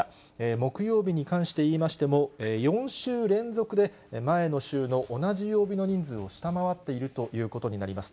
木曜日に関していいましても、４週連続で前の週の同じ曜日の人数を下回っているということになります。